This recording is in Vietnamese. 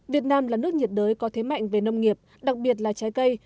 việt nam là nước nhiệt đới có thế mạnh về nông nghiệp đặc biệt là trái cây